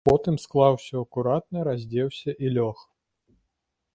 Потым склаў усё акуратна, раздзеўся і лёг.